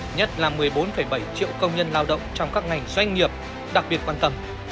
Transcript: nhất là một mươi bốn bảy triệu công nhân lao động trong các ngành doanh nghiệp đặc biệt quan tâm